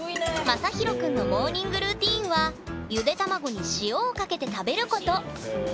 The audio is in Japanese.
まさひろくんのモーニング・ルーティーンはゆで卵に「塩」をかけて食べること！